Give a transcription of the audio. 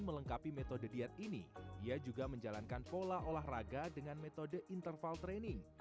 melengkapi metode diet ini ia juga menjalankan pola olahraga dengan metode interval training